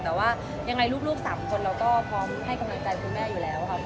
แต่ว่ายังไงลูก๓คนเราก็พร้อมให้กำลังใจคุณแม่อยู่แล้วค่ะ